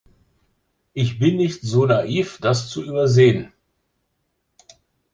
Ich bin nicht so naiv, das zu übersehen.